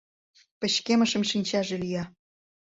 Пычкемышым шинчаже лӱя.